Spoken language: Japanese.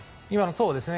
そうですね。